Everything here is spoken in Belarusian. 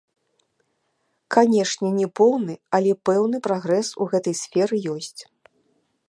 Канешне, не поўны, але пэўны прагрэс у гэтай сферы ёсць.